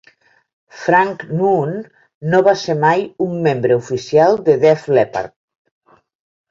Frank Noon no va ser mai un membre oficial de Def Leppard.